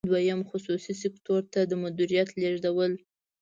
دوهم: خصوصي سکتور ته د مدیریت لیږدول.